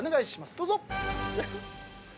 どうぞ！